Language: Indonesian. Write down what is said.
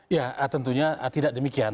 ya tentunya tidak demikian